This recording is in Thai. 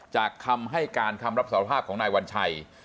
คำให้การคำรับสารภาพของนายวัญชัย